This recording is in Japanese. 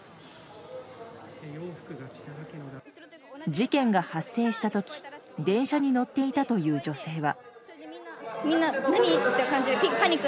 事件が発生した時電車に乗っていたという女性は。